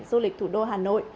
du lịch thủ đô hà nội